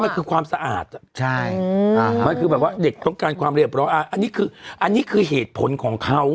มันคือความสะอาดมันคือแบบว่าเด็กต้องการความเรียบร้อยอันนี้คืออันนี้คือเหตุผลของเขา